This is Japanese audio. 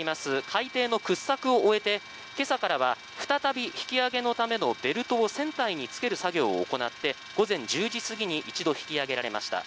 海底の掘削を終えて今朝からは再び引き揚げのためのベルトを船体につける作業を行って午前１０時過ぎに一度引き揚げられました。